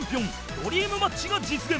ドリームマッチが実現！